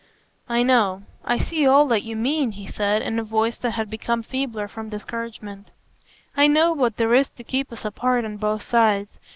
"I know; I see all that you mean," he said, in a voice that had become feebler from discouragement; "I know what there is to keep us apart on both sides.